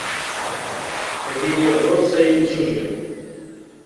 Ad iliɣ ɣer-s a imsujji.